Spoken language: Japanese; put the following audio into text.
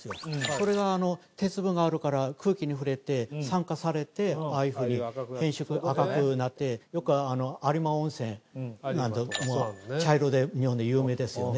これが鉄分があるから空気に触れて酸化されてああいうふうに変色赤くなってよく有馬温泉も茶色で日本で有名ですよね